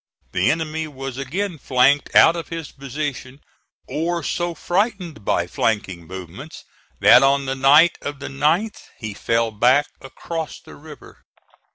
The enemy was again flanked out of his position, or so frightened by flanking movements that on the night of the 9th he fell back across the river.